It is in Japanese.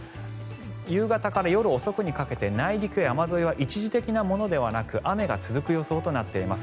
夕方から夜遅くにかけて内陸や山沿いは一時的なものではなく雨が続く予想となっています。